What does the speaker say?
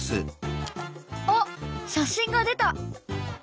あっ写真が出た！